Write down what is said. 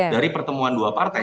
dari pertemuan dua partai